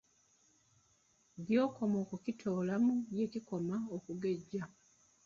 Gy'okoma okukitoolamu gye kikoma okugejja.